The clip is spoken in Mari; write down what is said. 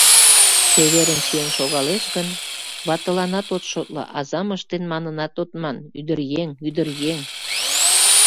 Чеверын чиен шогалеш гын, ватыланат от шотло, азам ыштен манынат от ман — ӱдыръеҥ, ӱдыръеҥ.